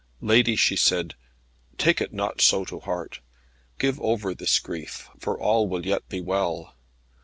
"Lady," she said, "take it not so to heart. Give over this grief, for all will yet be well.